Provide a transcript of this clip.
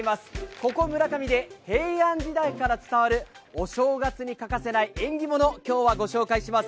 ここ村上で平安時代から伝わるお正月に欠かせない縁起物を今日はご紹介します。